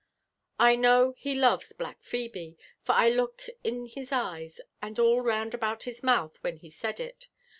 I know h» loves black Phebe, for I looked in his eyes and all round about his mouth when he said it.